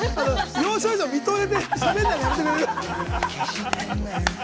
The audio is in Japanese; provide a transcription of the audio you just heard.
要所要所見とれて喋らないの、やめてくれる？